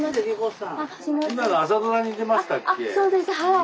あっそうですはい。